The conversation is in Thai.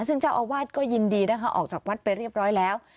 ซึ่งเจ้าอาวาสก็ยินดีนะคะออกจากวัดไปเรียบร้อยแล้ว